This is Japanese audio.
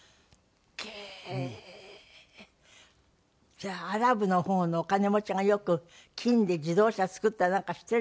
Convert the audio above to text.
じゃあアラブの方のお金持ちがよく金で自動車造ったりなんかしているじゃないですか。